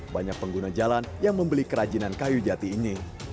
banyak pengguna jalan yang membeli kerajinan kayu jati ini